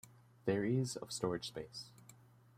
There is of storage space.